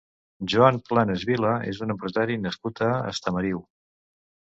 Joan Planes Vila és un empresari nascut a Estamariu.